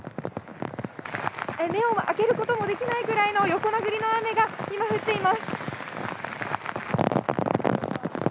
目を開けることもできないぐらいの横殴りの雨が今、降っています。